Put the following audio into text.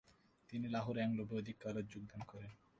তিনি লাহোরের অ্যাংলো-বৈদিক কলেজে যোগদান করেন।